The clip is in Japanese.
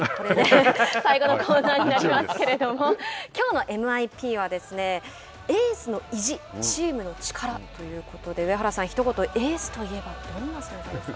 最後のコーナーになりますけれども「きょうのＭＩＰ」はエースの意地チームの力ということで上原さん、ひと言エースといえばどんな存在ですか。